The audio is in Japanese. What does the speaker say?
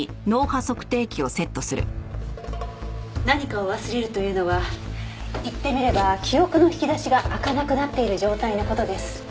何かを忘れるというのは言ってみれば記憶の引き出しが開かなくなっている状態の事です。